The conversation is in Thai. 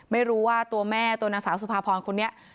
ไม่รู้ว่าตัวแม่ตัวนางสาวสุภาพรคนนี้